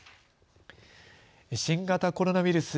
新型コロナウイルス